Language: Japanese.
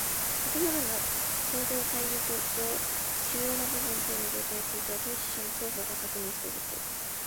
建物の構造耐力上主要な部分等の状況について当事者の双方が確認した事項